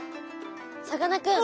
さかなクン！